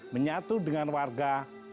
menyatu dengan warga